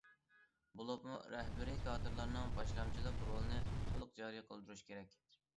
بولۇپمۇ رەھبىرىي كادىرلارنىڭ باشلامچىلىق رولىنى تولۇق جارى قىلدۇرۇش كېرەك.